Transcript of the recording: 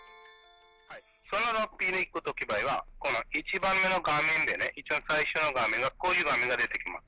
そのロッピーに行く場合は、この１番目の画面でね、一番最初の画面、こういう画面が出てきます。